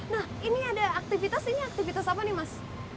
nah ini ada aktivitas ini aktivitas apa nih mas